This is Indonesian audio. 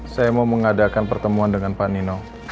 saya mau mengadakan pertemuan dengan pak nino